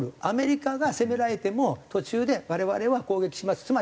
アメリカが攻められても途中で我々は攻撃します。